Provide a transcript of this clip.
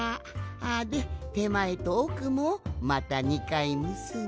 でてまえとおくもまた２かいむすんで。